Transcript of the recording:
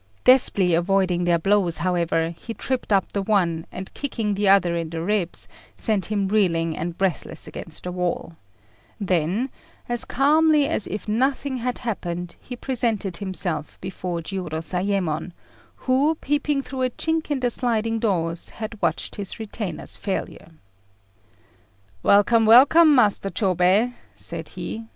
Deftly avoiding their blows, however, he tripped up the one, and kicking the other in the ribs, sent him reeling and breathless against the wall; then, as calmly as if nothing had happened he presented himself before Jiurozayémon, who, peeping through a chink in the sliding doors, had watched his retainers' failure. "Welcome, welcome, Master Chôbei," said he.